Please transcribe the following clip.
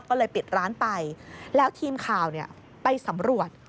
ก็เลยปิดร้านไปแล้วทีมข่าวไปสำรวจ